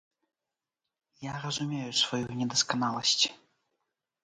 Я разумею сваю недасканаласць.